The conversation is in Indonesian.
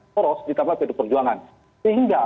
poros ditambah pd perjuangan sehingga